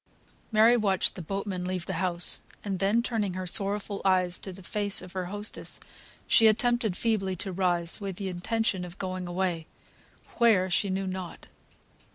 Mary watched the boatman leave the house, and then, turning her sorrowful eyes to the face of her hostess, she attempted feebly to rise, with the intention of going away, where she knew not.